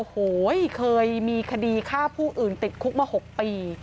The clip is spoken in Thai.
โอ้โหเคยมีคดีฆ่าผู้อื่นติดคุกมา๖ปี